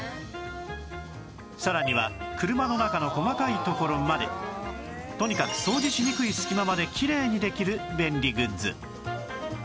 さらには車の中の細かい所までとにかく掃除しにくい隙間まできれいにできる便利グッズ